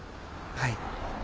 はい。